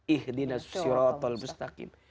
ih dinas syurotol bustakim